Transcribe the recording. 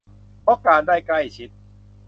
เพราะการได้ใกล้ชิด